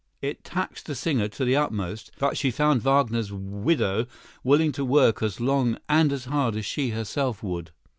It taxed the singer to the utmost; but she found Wagner's widow willing to work as long and as hard as she herself would.